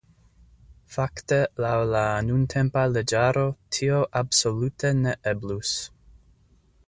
Fakte laŭ la nuntempa leĝaro tio absolute ne eblus.